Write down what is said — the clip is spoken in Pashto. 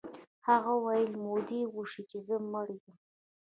هغه ویل مودې وشوې چې زه مړ یم